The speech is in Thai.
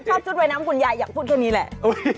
ชุดว่ายน้ำคุณยายอยากพูดแค่นี้แหละ